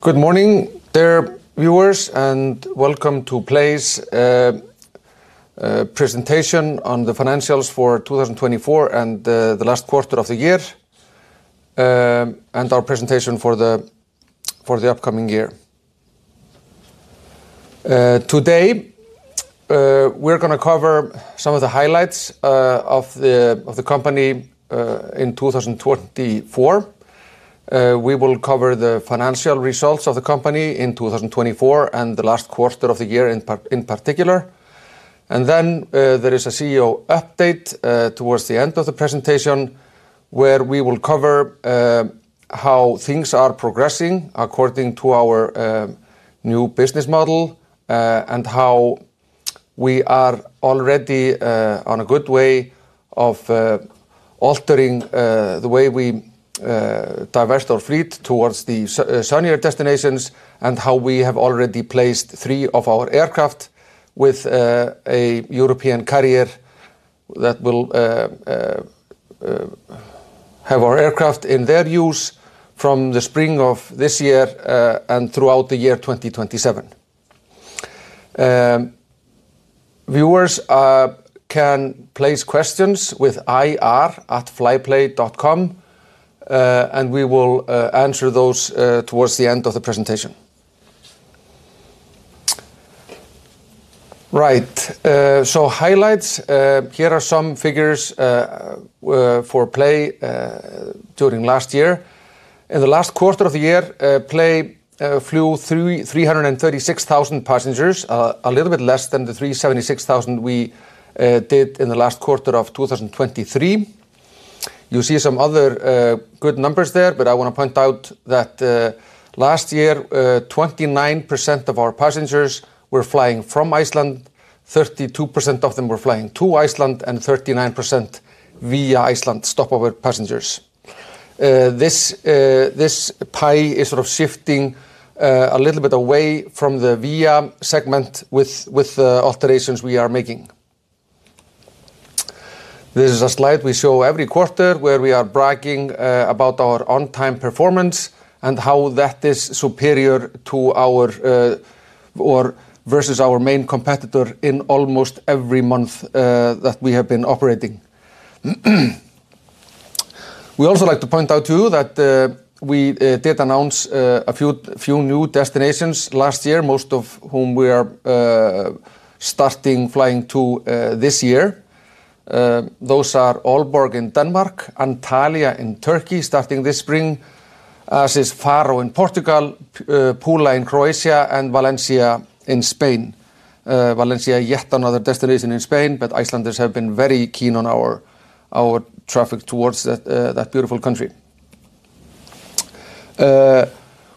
Good morning, dear viewers, and welcome to PLAY's presentation on the financials for 2024 and the last quarter of the year, and our presentation for the upcoming year. Today, we're going to cover some of the highlights of the company in 2024. We will cover the financial results of the company in 2024 and the last quarter of the year in particular. There is a CEO update towards the end of the presentation, where we will cover how things are progressing according to our new business model and how we are already on a good way of altering the way we divest our fleet towards the sunnier destinations and how we have already placed three of our aircraft with a European carrier that will have our aircraft in their use from the spring of this year and throughout the year 2027. Viewers can place questions with ir@flyPLAY.com, and we will answer those towards the end of the presentation. Right, so highlights, here are some figures for PLAY during last year. In the last quarter of the year, PLAY flew 336,000 passengers, a little bit less than the 376,000 we did in the last quarter of 2023. You see some other good numbers there, but I want to point out that last year, 29% of our passengers were flying from Iceland, 32% of them were flying to Iceland, and 39% via Iceland stopover passengers. This pie is sort of shifting a little bit away from the via segment with the alterations we are making. This is a slide we show every quarter, where we are bragging about our on-time performance and how that is superior to our main competitor in almost every month that we have been operating. We also like to point out to you that we did announce a few new destinations last year, most of whom we are starting flying to this year. Those are Aalborg in Denmark, Antalya in Turkey starting this spring, as is Faro in Portugal, Pula in Croatia, and Valencia in Spain. Valencia yet another destination in Spain, but Icelanders have been very keen on our traffic towards that beautiful country.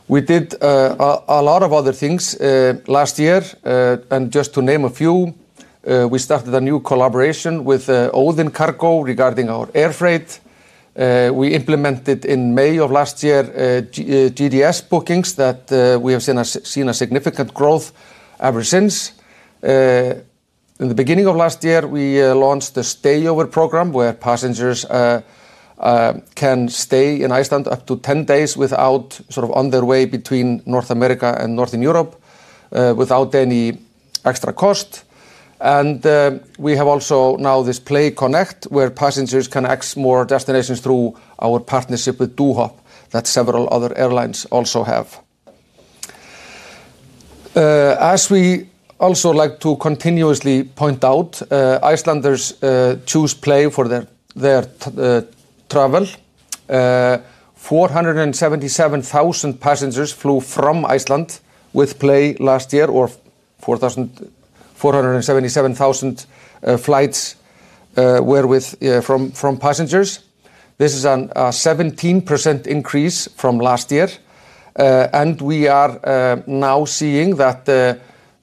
We did a lot of other things last year, and just to name a few, we started a new collaboration with Odin Cargo regarding our air freight. We implemented in May of last year GDS bookings that we have seen a significant growth ever since. In the beginning of last year, we launched a stay-over program where passengers can stay in Iceland up to 10 days without sort of on their way between North America and Northern Europe without any extra cost. We have also now this PLAY Connect, where passengers can access more destinations through our partnership with Dohop that several other airlines also have. As we also like to continuously point out, Icelanders choose PLAY for their travel. 477,000 passengers flew from Iceland with PLAY last year, or 477,000 flights were with from passengers. This is a 17% increase from last year. We are now seeing that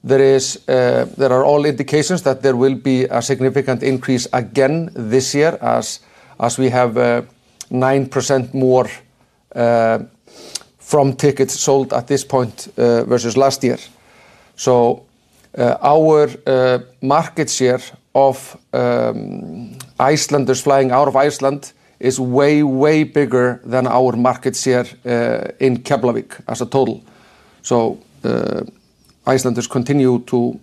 there are all indications that there will be a significant increase again this year, as we have 9% more from tickets sold at this point versus last year. Our market share of Icelanders flying out of Iceland is way, way bigger than our market share in Keflavík as a total. Icelanders continue to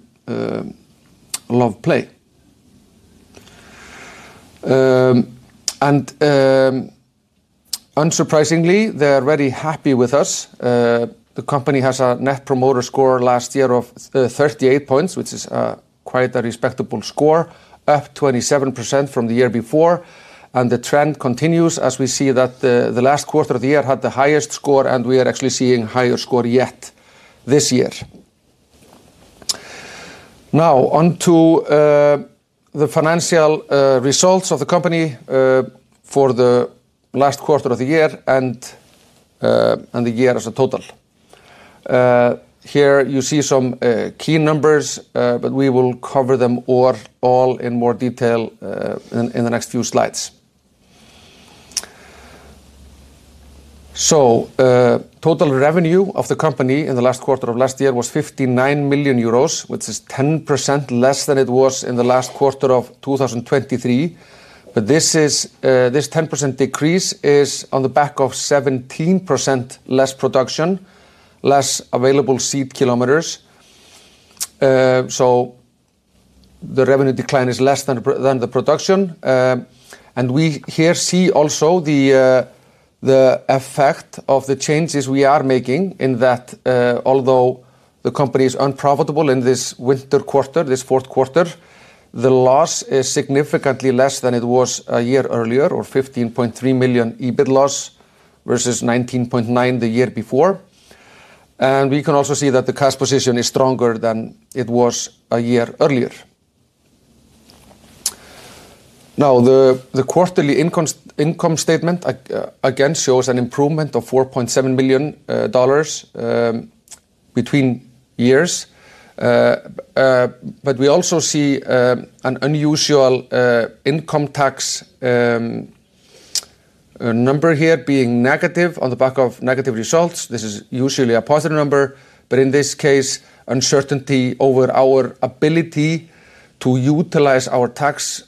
love PLAY. Unsurprisingly, they are very happy with us. The company has a Net Promoter Score last year of 38 points, which is quite a respectable score, up 27% from the year before. The trend continues as we see that the last quarter of the year had the highest score, and we are actually seeing a higher score yet this year. Now on to the financial results of the company for the last quarter of the year and the year as a total. Here you see some key numbers, but we will cover them all in more detail in the next few slides. Total revenue of the company in the last quarter of last year was 59 million euros, which is 10% less than it was in the last quarter of 2023. This 10% decrease is on the back of 17% less production, less available seat kilometers. The revenue decline is less than the production. We here see also the effect of the changes we are making in that although the company is unprofitable in this winter quarter, this fourth quarter, the loss is significantly less than it was a year earlier, or 15.3 million EBIT loss versus 19.9 million the year before. We can also see that the cash position is stronger than it was a year earlier. The quarterly income statement again shows an improvement of $4.7 million between years. We also see an unusual income tax number here being negative on the back of negative results. This is usually a positive number, but in this case, uncertainty over our ability to utilize our tax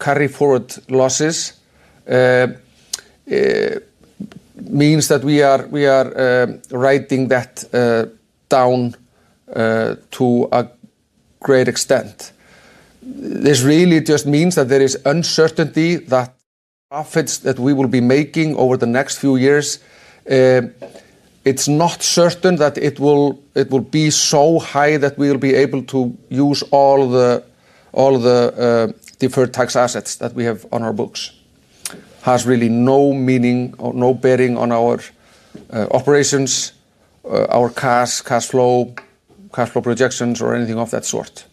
carry forward losses means that we are writing that down to a great extent. This really just means that there is uncertainty that profits that we will be making over the next few years, it's not certain that it will be so high that we will be able to use all the deferred tax assets that we have on our books, has really no meaning or no bearing on our operations, our cash flow, cash flow projections, or anything of that sort.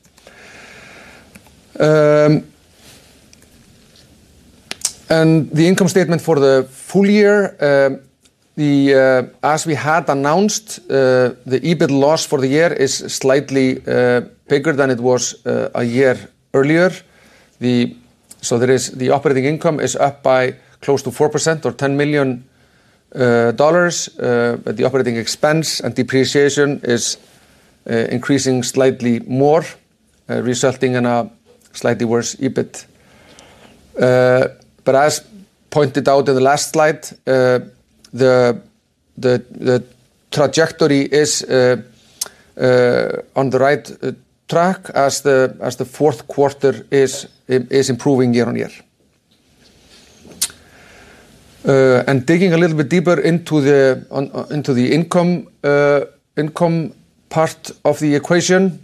The income statement for the full year, as we had announced, the EBIT loss for the year is slightly bigger than it was a year earlier. The operating income is up by close to 4% or $10 million, but the operating expense and depreciation is increasing slightly more, resulting in a slightly worse EBIT. As pointed out in the last slide, the trajectory is on the right track as the fourth quarter is improving year on year. Digging a little bit deeper into the income part of the equation,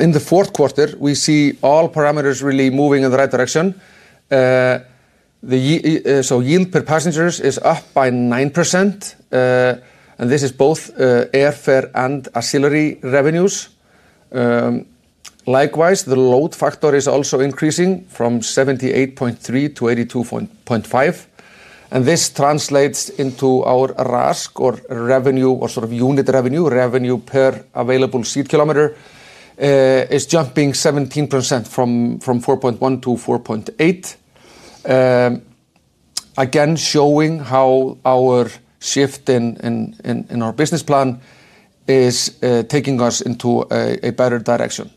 in the fourth quarter, we see all parameters really moving in the right direction. Yield per passenger is up by 9%, and this is both airfare and ancillary revenues. Likewise, the load factor is also increasing from 78.3% to 82.5%. This translates into our RASK, or revenue, or sort of unit revenue, revenue per available seat kilometer, jumping 17% from 4.1 to 4.8, again showing how our shift in our business plan is taking us into a better direction.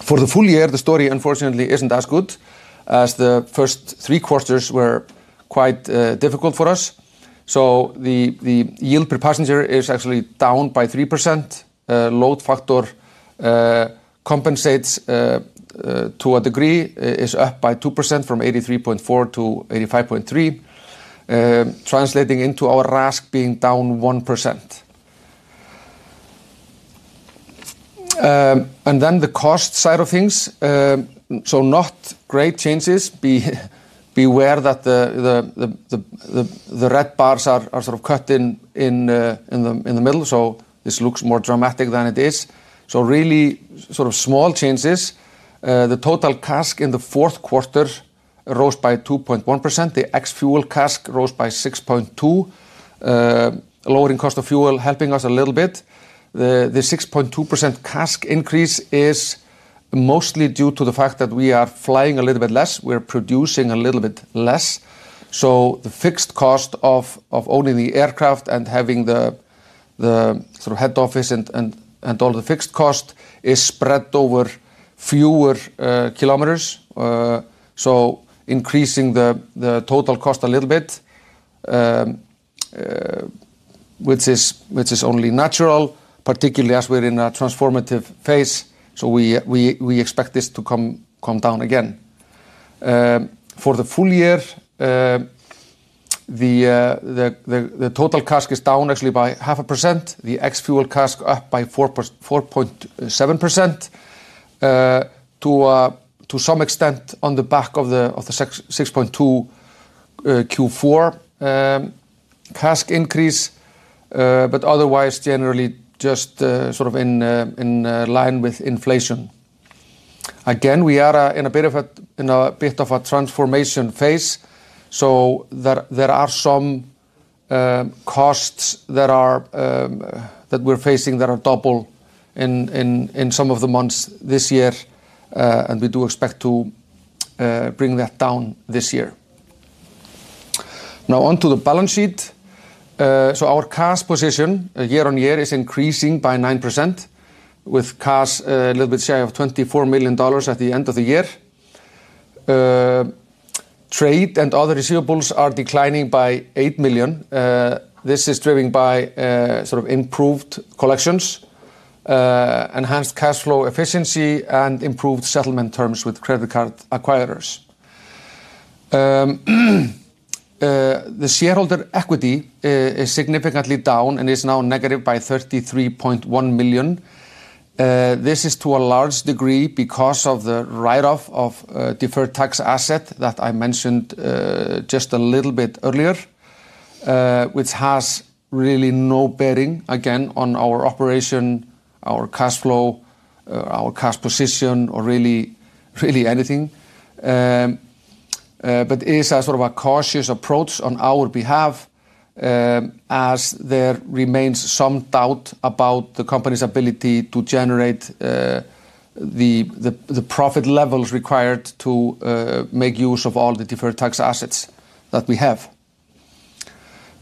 For the full year, the story unfortunately isn't as good as the first three quarters were quite difficult for us. The yield per passenger is actually down by 3%. Load factor compensates to a degree, is up by 2% from 83.4 to 85.3, translating into our RASK being down 1%. On the cost side of things, not great changes. Beware that the red bars are sort of cut in the middle, so this looks more dramatic than it is. These are really sort of small changes. The total CASK in the fourth quarter rose by 2.1%. The ex-fuel CASK rose by 6.2%, lowering cost of fuel helping us a little bit. The 6.2% CASK increase is mostly due to the fact that we are flying a little bit less. We're producing a little bit less. The fixed cost of owning the aircraft and having the sort of head office and all the fixed cost is spread over fewer kilometers, so increasing the total cost a little bit, which is only natural, particularly as we're in a transformative phase. We expect this to come down again. For the full year, the total CASK is down actually by 0.5%. The ex-fuel CASK up by 4.7% to some extent on the back of the 6.2% Q4 CASK increase, but otherwise generally just sort of in line with inflation. Again, we are in a bit of a transformation phase, so there are some costs that we're facing that are double in some of the months this year, and we do expect to bring that down this year. Now on to the balance sheet. Our cash position year on year is increasing by 9%, with cash a little bit shy of $24 million at the end of the year. Trade and other receivables are declining by $8 million. This is driven by sort of improved collections, enhanced cash flow efficiency, and improved settlement terms with credit card acquirers. The shareholder equity is significantly down and is now negative by $33.1 million. This is to a large degree because of the write-off of deferred tax asset that I mentioned just a little bit earlier, which has really no bearing again on our operation, our cash flow, our cash position, or really anything. It is a sort of a cautious approach on our behalf as there remains some doubt about the company's ability to generate the profit levels required to make use of all the deferred tax assets that we have.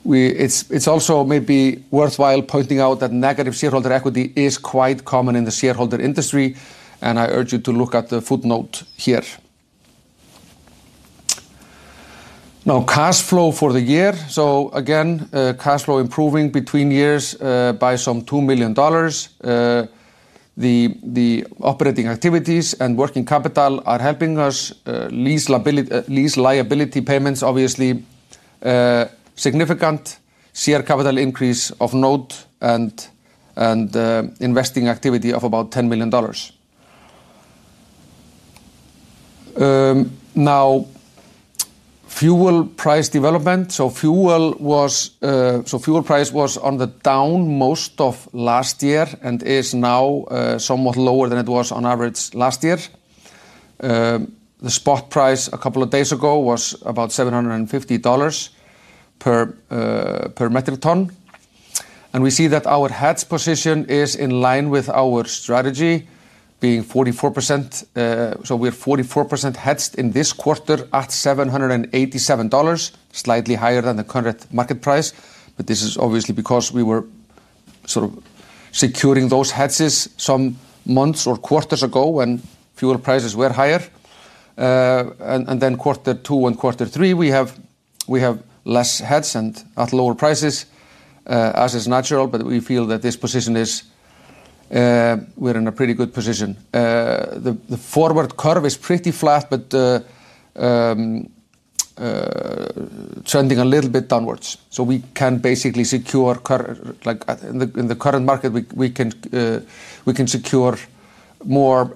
It's also maybe worthwhile pointing out that negative shareholder equity is quite common in the shareholder industry, and I urge you to look at the footnote here. Now cash flow for the year. Cash flow improving between years by some $2 million. The operating activities and working capital are helping us. Lease liability payments, obviously significant. Share capital increase of note and investing activity of about $10 million. Now fuel price development. Fuel price was on the down most of last year and is now somewhat lower than it was on average last year. The spot price a couple of days ago was about $750 per metric ton. We see that our hedging position is in line with our strategy being 44%. We're 44% hedged in this quarter at $787, slightly higher than the current market price. This is obviously because we were sort of securing those hedges some months or quarters ago when fuel prices were higher. In quarter two and quarter three, we have less hedged and at lower prices, as is natural, but we feel that this position is we're in a pretty good position. The forward curve is pretty flat, but trending a little bit downwards. We can basically secure in the current market, we can secure more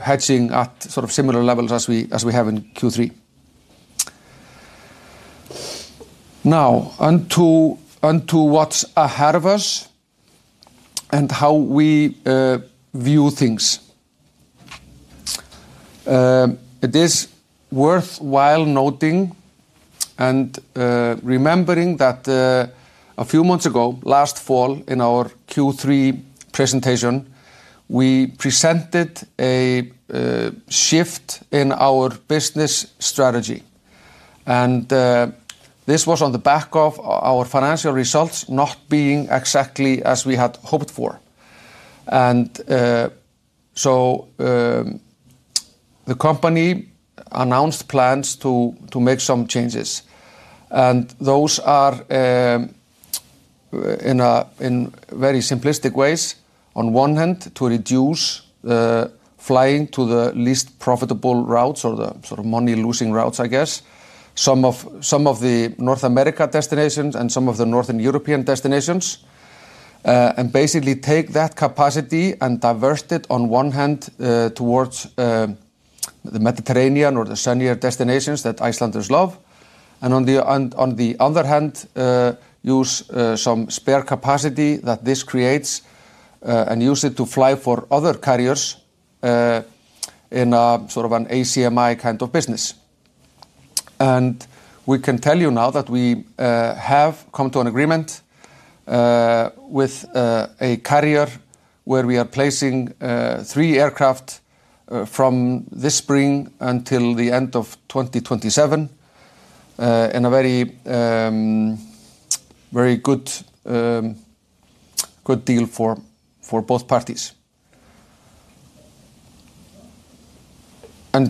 hedging at sort of similar levels as we have in Q3. Now on to what's ahead of us and how we view things. It is worthwhile noting and remembering that a few months ago, last fall in our Q3 presentation, we presented a shift in our business strategy. This was on the back of our financial results not being exactly as we had hoped for. The company announced plans to make some changes. Those are in very simplistic ways. On one hand, to reduce flying to the least profitable routes or the sort of money-losing routes, I guess, some of the North America destinations and some of the Northern European destinations, and basically take that capacity and divert it on one hand towards the Mediterranean or the sunnier destinations that Icelanders love. On the other hand, use some spare capacity that this creates and use it to fly for other carriers in sort of an ACMI kind of business. We can tell you now that we have come to an agreement with a carrier where we are placing three aircraft from this spring until the end of 2027 in a very good deal for both parties.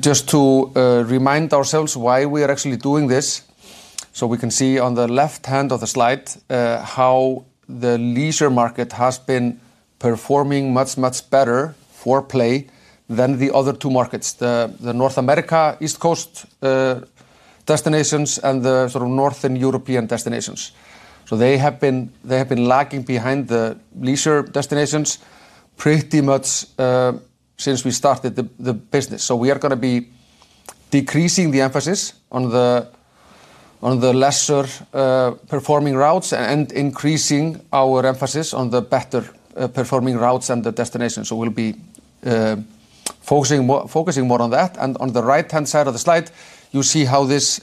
Just to remind ourselves why we are actually doing this, we can see on the left hand of the slide how the leisure market has been performing much, much better for PLAY than the other two markets, the North America East Coast destinations and the sort of Northern European destinations. They have been lagging behind the leisure destinations pretty much since we started the business. We are going to be decreasing the emphasis on the lesser performing routes and increasing our emphasis on the better performing routes and the destinations. We will be focusing more on that. On the right hand side of the slide, you see how this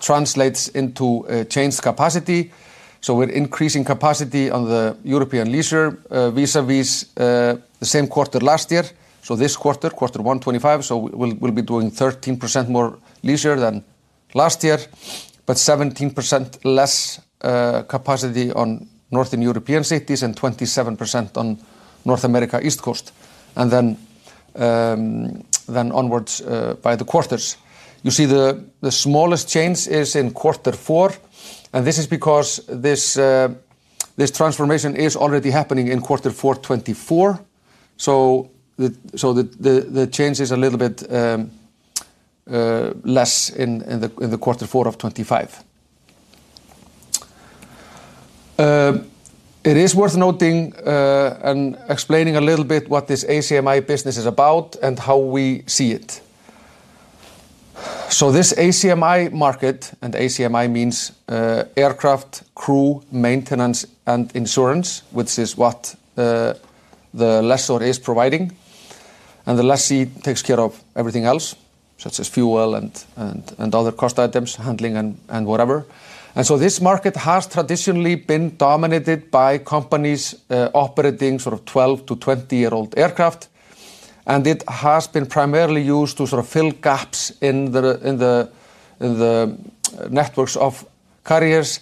translates into changed capacity. We are increasing capacity on the European leisure vis-à-vis the same quarter last year. This quarter, quarter one, 2025, we'll be doing 13% more leisure than last year, but 17% less capacity on Northern European cities and 27% on North America East Coast. Onwards by the quarters, you see the smallest change is in quarter four, and this is because this transformation is already happening in quarter four 2024. The change is a little bit less in the quarter four of 2025. It is worth noting and explaining a little bit what this ACMI business is about and how we see it. This ACMI market, and ACMI means aircraft, crew, maintenance, and insurance, which is what the lessor is providing. The lessee takes care of everything else, such as fuel and other cost items, handling and whatever. This market has traditionally been dominated by companies operating sort of 12 to 20-year-old aircraft. It has been primarily used to sort of fill gaps in the networks of carriers,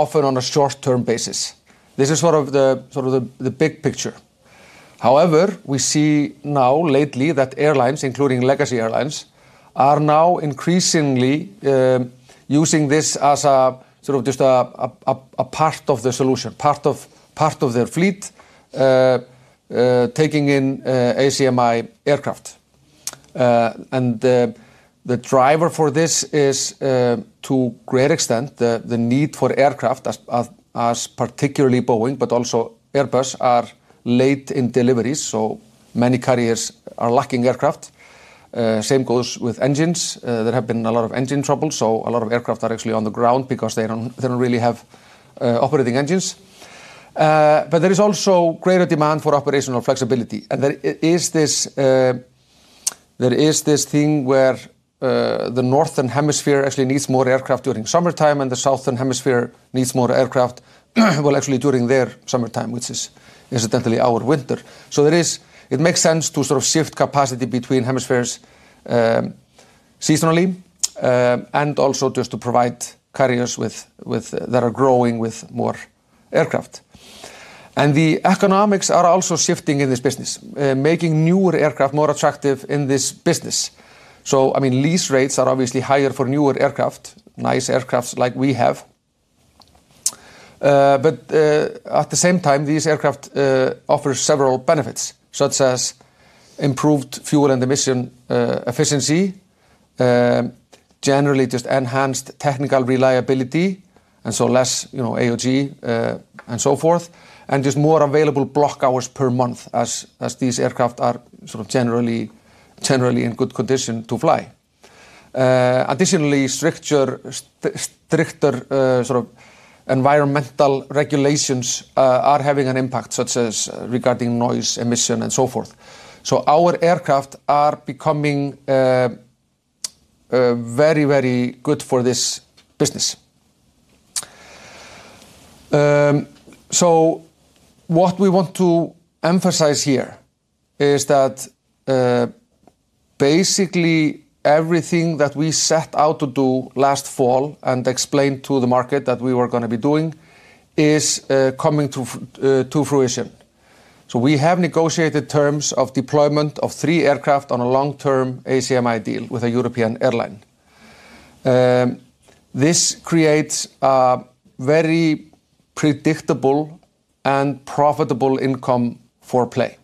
often on a short-term basis. This is sort of the big picture. However, we see now lately that airlines, including legacy airlines, are now increasingly using this as sort of just a part of the solution, part of their fleet, taking in ACMI aircraft. The driver for this is to great extent the need for aircraft, as particularly Boeing, but also Airbus, are late in deliveries. Many carriers are lacking aircraft. Same goes with engines. There have been a lot of engine troubles. A lot of aircraft are actually on the ground because they do not really have operating engines. There is also greater demand for operational flexibility. There is this thing where the Northern Hemisphere actually needs more aircraft during summertime, and the Southern Hemisphere needs more aircraft, actually during their summertime, which is incidentally our winter. It makes sense to sort of shift capacity between hemispheres seasonally and also just to provide carriers that are growing with more aircraft. The economics are also shifting in this business, making newer aircraft more attractive in this business. I mean, lease rates are obviously higher for newer aircraft, nice aircraft like we have. At the same time, these aircraft offer several benefits, such as improved fuel and emission efficiency, generally just enhanced technical reliability, and so less AOG and so forth, and just more available block hours per month as these aircraft are sort of generally in good condition to fly. Additionally, stricter sort of environmental regulations are having an impact, such as regarding noise, emission, and so forth. Our aircraft are becoming very, very good for this business. What we want to emphasize here is that basically everything that we set out to do last fall and explained to the market that we were going to be doing is coming to fruition. We have negotiated terms of deployment of three aircraft on a long-term ACMI deal with a European airline. This creates a very predictable and profitable income for PLAY.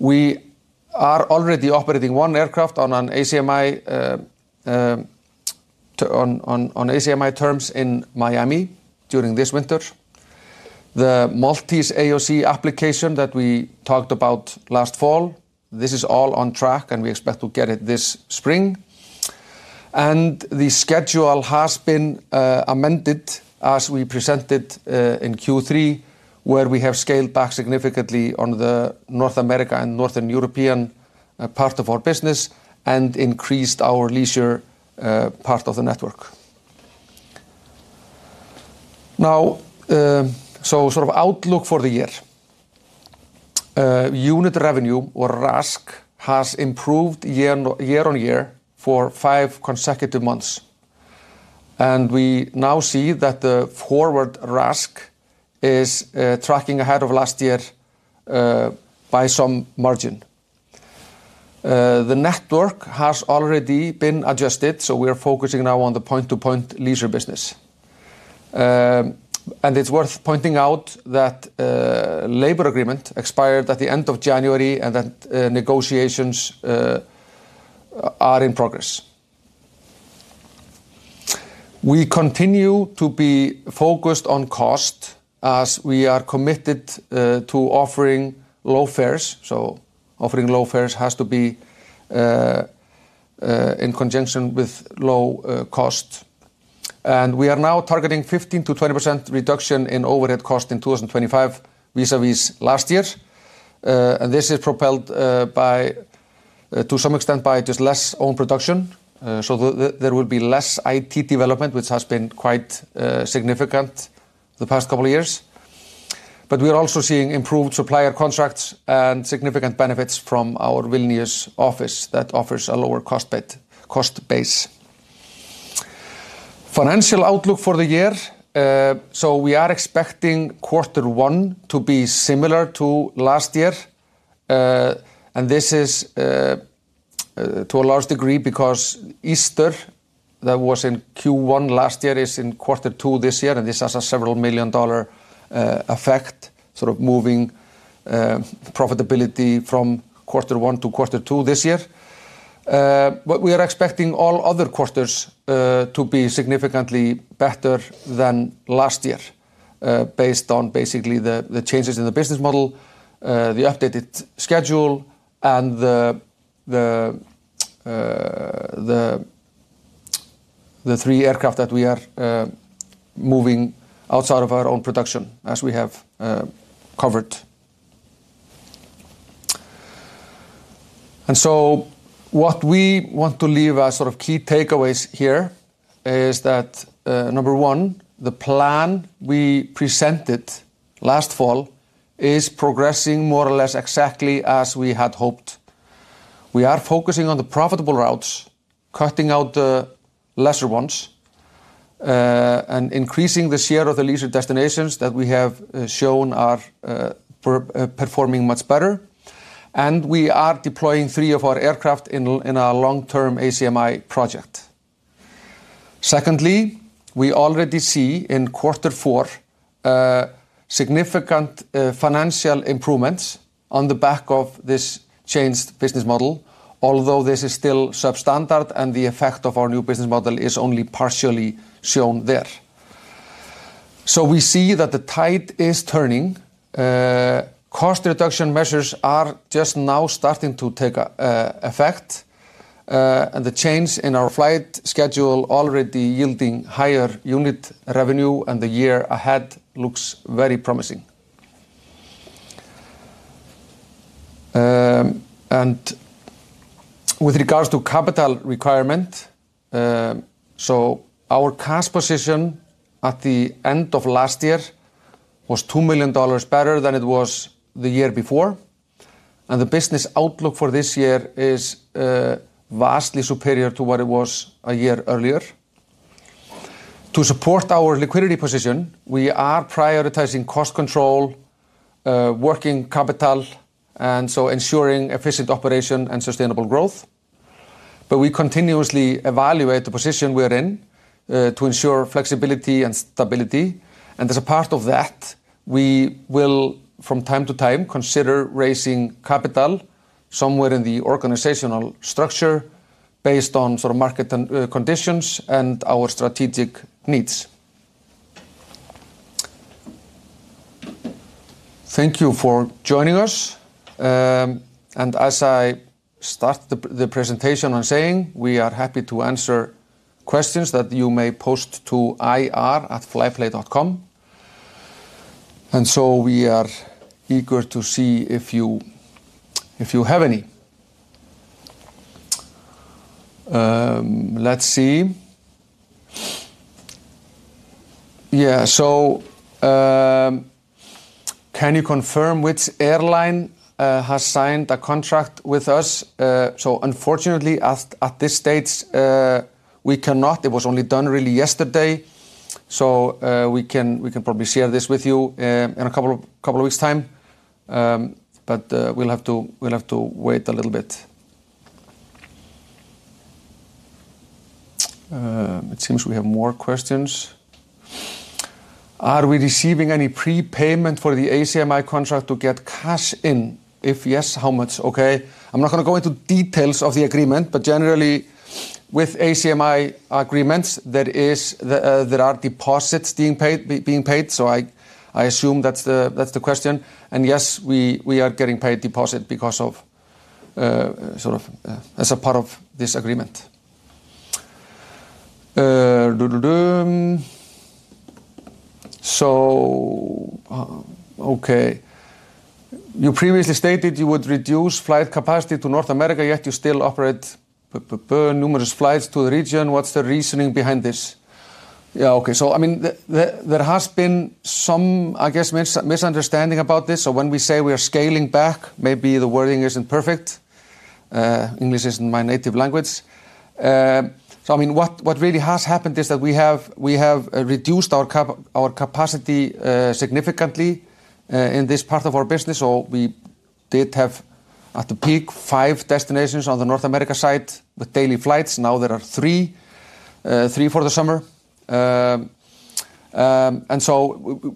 We are already operating one aircraft on ACMI terms in Miami during this winter. The Maltese AOC application that we talked about last fall, this is all on track, and we expect to get it this spring. The schedule has been amended as we presented in Q3, where we have scaled back significantly on the North America and Northern European part of our business and increased our leisure part of the network. Now, sort of outlook for the year. Unit revenue or RASK has improved year on year for five consecutive months. We now see that the forward RASK is tracking ahead of last year by some margin. The network has already been adjusted, so we are focusing now on the point-to-point leisure business. It's worth pointing out that the labor agreement expired at the end of January and that negotiations are in progress. We continue to be focused on cost as we are committed to offering low fares. Offering low fares has to be in conjunction with low cost. We are now targeting a 15%-20% reduction in overhead cost in 2025 vis-à-vis last year. This is propelled to some extent by just less own production. There will be less IT development, which has been quite significant the past couple of years. We are also seeing improved supplier contracts and significant benefits from our Vilnius office that offers a lower cost base. Financial outlook for the year. We are expecting quarter one to be similar to last year. This is to a large degree because Easter, that was in Q1 last year, is in quarter two this year. This has a several million dollar effect, sort of moving profitability from quarter one to quarter two this year. We are expecting all other quarters to be significantly better than last year based on basically the changes in the business model, the updated schedule, and the three aircraft that we are moving outside of our own production as we have covered. What we want to leave as sort of key takeaways here is that, number one, the plan we presented last fall is progressing more or less exactly as we had hoped. We are focusing on the profitable routes, cutting out the lesser ones, and increasing the share of the leisure destinations that we have shown are performing much better. We are deploying three of our aircraft in our long-term ACMI project. Secondly, we already see in quarter four significant financial improvements on the back of this changed business model, although this is still substandard and the effect of our new business model is only partially shown there. We see that the tide is turning. Cost reduction measures are just now starting to take effect. The change in our flight schedule already yielding higher unit revenue, and the year ahead looks very promising. With regards to capital requirement, our cost position at the end of last year was $2 million better than it was the year before. The business outlook for this year is vastly superior to what it was a year earlier. To support our liquidity position, we are prioritizing cost control, working capital, and ensuring efficient operation and sustainable growth. We continuously evaluate the position we are in to ensure flexibility and stability. As a part of that, we will, from time to time, consider raising capital somewhere in the organizational structure based on sort of market conditions and our strategic needs. Thank you for joining us. As I start the presentation, I'm saying we are happy to answer questions that you may post to ir@flyPLAY.com. We are eager to see if you have any. Let's see. Yeah, can you confirm which airline has signed a contract with us? Unfortunately, at this stage, we cannot. It was only done really yesterday. We can probably share this with you in a couple of weeks' time. We'll have to wait a little bit. It seems we have more questions. Are we receiving any prepayment for the ACMI contract to get cash in? If yes, how much? Okay. I'm not going to go into details of the agreement, but generally with ACMI agreements, there are deposits being paid. I assume that's the question. Yes, we are getting paid deposit because of sort of as a part of this agreement. You previously stated you would reduce flight capacity to North America, yet you still operate numerous flights to the region. What's the reasoning behind this? Yeah, I mean, there has been some, I guess, misunderstanding about this. When we say we are scaling back, maybe the wording isn't perfect. English isn't my native language. I mean, what really has happened is that we have reduced our capacity significantly in this part of our business. We did have at the peak five destinations on the North America side with daily flights. Now there are three, three for the summer.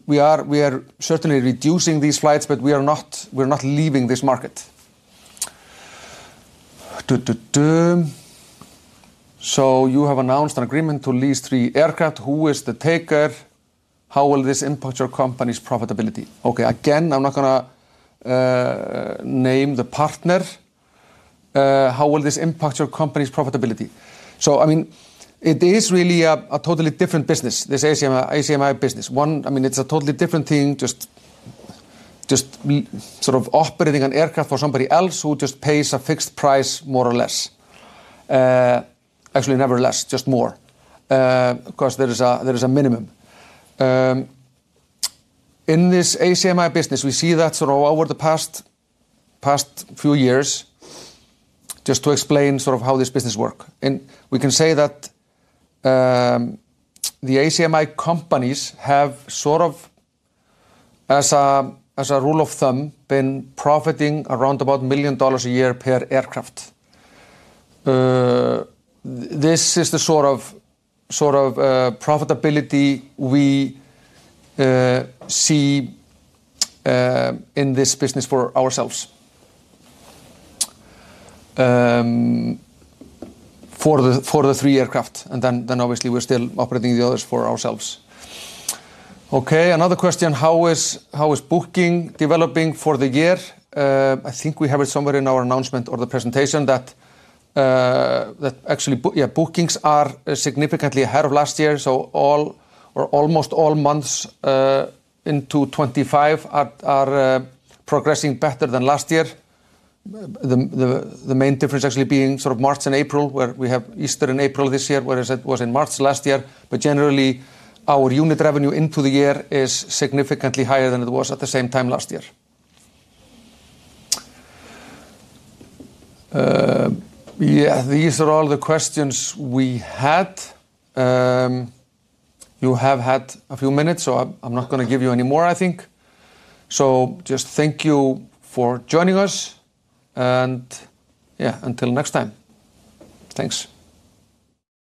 We are certainly reducing these flights, but we are not leaving this market. You have announced an agreement to lease three aircraft. Who is the taker? How will this impact your company's profitability? Okay, again, I'm not going to name the partner. How will this impact your company's profitability? I mean, it is really a totally different business, this ACMI business. One, I mean, it's a totally different thing just sort of operating an aircraft for somebody else who just pays a fixed price more or less. Actually, nevertheless, just more, because there is a minimum. In this ACMI business, we see that over the past few years, just to explain how this business works. We can say that the ACMI companies have, as a rule of thumb, been profiting around about $1 million a year per aircraft. This is the sort of profitability we see in this business for ourselves. For the three aircraft. Obviously, we're still operating the others for ourselves. Okay, another question. How is booking developing for the year? I think we have it somewhere in our announcement or the presentation that actually, yeah, bookings are significantly ahead of last year. Almost all months into 2025 are progressing better than last year. The main difference actually being sort of March and April, where we have Easter in April this year, whereas it was in March last year. Generally, our unit revenue into the year is significantly higher than it was at the same time last year. Yeah, these are all the questions we had. You have had a few minutes, so I'm not going to give you any more, I think. Just thank you for joining us. Yeah, until next time. Thanks.